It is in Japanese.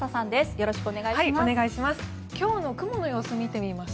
よろしくお願いします。